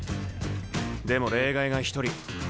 でも例外が一人。